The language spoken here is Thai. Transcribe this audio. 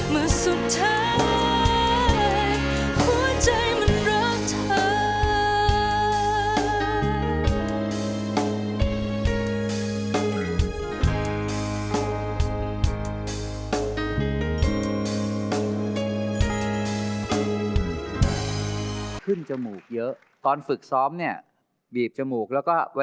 เมื่อสุดท้ายหัวใจมันรักเธอ